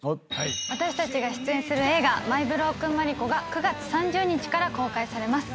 私たちが出演する映画『マイ・ブロークン・マリコ』が９月３０日から公開されます。